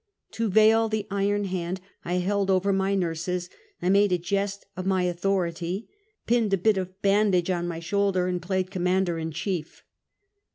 To veil the iron hand I held over my nurses, I made a jest of my authority, pinned a bit of bandage on my shoulder, and played commander in chief.